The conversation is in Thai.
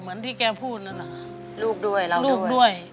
เหมือนที่แกพูดนั้นลูกด้วยรักลูกด้วย